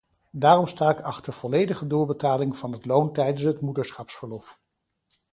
Daarom sta ik achter volledige doorbetaling van het loon tijdens het moederschapsverlof.